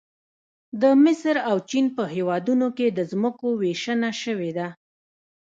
د مصر او چین په هېوادونو کې د ځمکو ویشنه شوې ده